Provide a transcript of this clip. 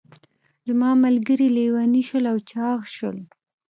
زما ملګري لیوني شول او چاغ شول.